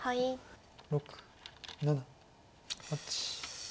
６７８。